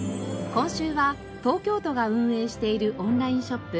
今週は東京都が運営しているオンラインショップ